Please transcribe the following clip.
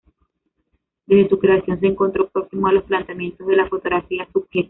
Desde su creación se encontró próximo a los planteamientos de la fotografía subjetiva.